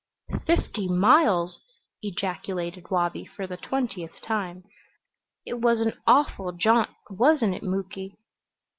"Fifty miles!" ejaculated Wabi for the twentieth time. "It was an awful jaunt, wasn't it, Muky?"